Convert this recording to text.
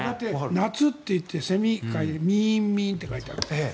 夏っていって、セミを描いてミーンミーンって書いてある。